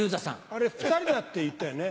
あれ２人だって言ったよね？